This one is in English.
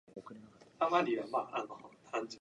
The Earl Willis Community Center houses a library.